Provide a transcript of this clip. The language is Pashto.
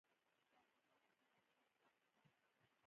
کامن وايس يوه ملي پروسه ده.